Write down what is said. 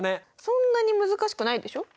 そんなに難しくないでしょ。